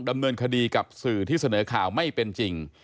ดำเนินคดีกับสื่อที่เสนอข่าวไม่เป็นจริง